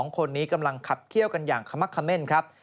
๒คนนี้กำลังขับเขี้ยวกันอย่างขมักเขม่นครับ